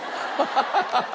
ハハハハ！